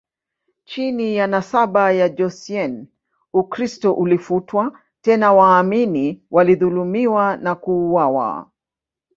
Chini ya nasaba ya Joseon, Ukristo ulifutwa, tena waamini walidhulumiwa na kuuawa.